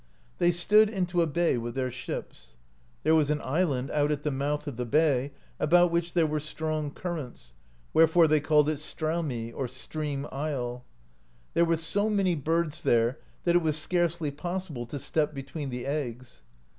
They stood into a bay with their ships. There was an island out at the mouth of the bay, about which there were strong currents, wherefore they called it Straumey [Stream Isle]. There were so many birds there that it was scarcely possible to step between the eggs.